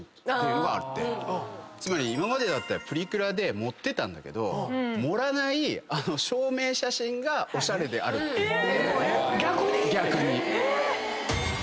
今までだったらプリクラで盛ってたんだけど盛らない証明写真がおしゃれであるっていって。